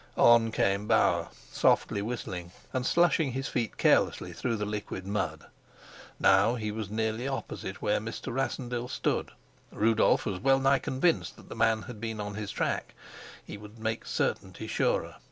On came Bauer, softly, whistling and slushing his feet carelessly through the liquid mud. Now he was nearly opposite where Mr. Rassendyll stood. Rudolf was well nigh convinced that the man had been on his track: he would make certainty surer.